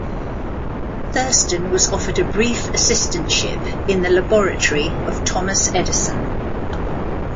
Thurstone was offered a brief assistantship in the laboratory of Thomas Edison.